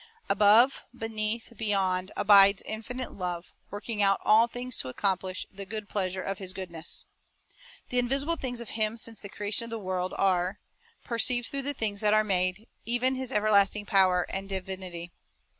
Above, beneath, beyond, abides Infinite Love, working out all things to accomplish "the good pleasure of His goodness."" "The invisible things of Him since the creation of the world are .... perceived through the things that are made, even His everlasting power and divinity."